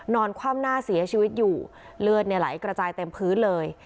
คว่ำหน้าเสียชีวิตอยู่เลือดไหลกระจายเต็มพื้นเลย